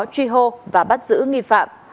truy hô và bắt giữ nghi phạm